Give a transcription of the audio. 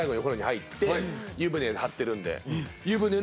湯船張ってるんで。